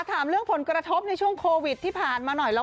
ถามเรื่องผลกระทบในช่วงโควิดที่ผ่านมาหน่อย